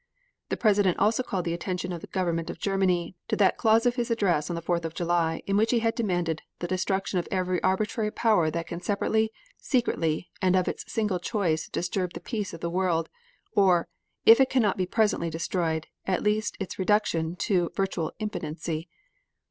The President also called the attention of the Government of Germany to that clause of his address on the Fourth of July in which he had demanded "the destruction of every arbitrary power that can separately, secretly and of its single choice disturb the peace of the world, or, if it cannot be presently destroyed, at least its reduction to virtual impotency."